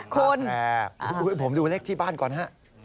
คุณผมดูเลขที่บ้านก่อนฮะ